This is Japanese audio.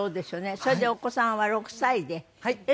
それでお子さんは６歳で笑